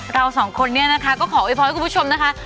เราสองคนเนี่ยนะคะก็ขอโวยพรให้คุณผู้ชมนะคะ